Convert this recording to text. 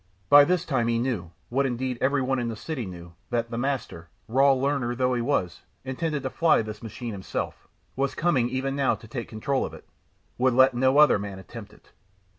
By this time he knew, what indeed everyone in the city knew, that the Master, raw learner though he was, intended to fly this machine himself, was coming even now to take control of it, would let no other man attempt it.